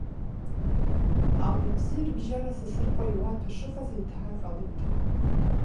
Али-ԥси рыбжьара Сасрыҟәа иуаҭәа шыҟаз еиҭааҟалеит.